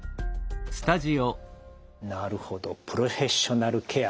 なるほどプロフェッショナルケア